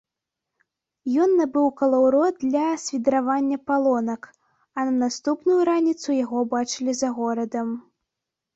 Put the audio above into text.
Ён набыў калаўрот для свідравання палонак, а на наступную раніцу яго бачылі за горадам.